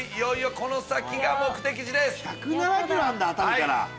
１０７ｋｍあるんだ熱海から。